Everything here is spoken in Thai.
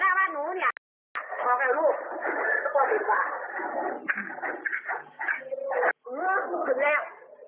ใจงานแล้วคุณพี่นี่ฝรั่งปลอดภัยพูดคือไหม